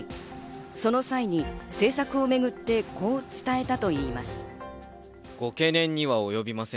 その際に、政策をめぐってこう伝えたといいます。